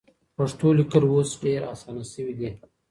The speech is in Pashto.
پښتو لیکل اوس ډېر اسانه سوي دي.